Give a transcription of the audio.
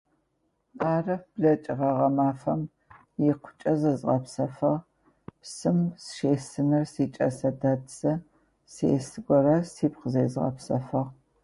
Мары блэкӏыгъэ гъэмафэм икъукӏэ зызгъэпсэфыгъ. Псым сыщесынэу сикӏэсэдэд сэ, сесыгорэ сипкъ зезгъэпсэфыгъ.